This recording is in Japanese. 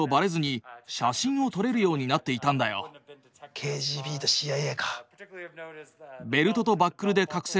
ＫＧＢとＣＩＡか。